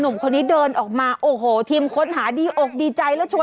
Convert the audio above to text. นมคนนี้เดินออกมาโอ้โฮทีมคตหาดีอกดีใจแล้ว